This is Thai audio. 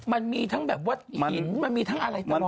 มันมีทั้งแบบว่าหินมันมีทั้งอะไรตลอด